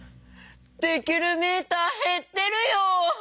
できるメーターへってるよ！